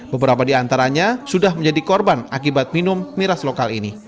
beberapa di antaranya sudah menjadi korban akibat minum miras lokal ini